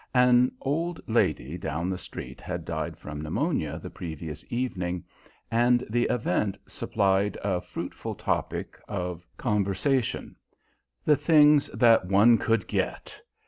An old lady down the street had died from pneumonia the previous evening, and the event supplied a fruitful topic of conversation. The things that one could get!